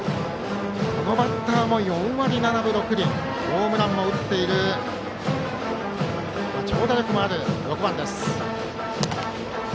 このバッターも４割７分６厘ホームランも打っている長打力もある６番です。